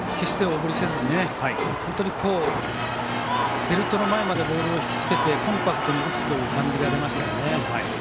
決して大振りせずにベルト前までボールをひきつけてコンパクトに打つことが感じられましたね。